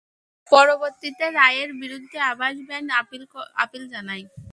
পরবর্তীতে রায়ের বিরুদ্ধে আভাস ব্যান্ড আপিল জানায়।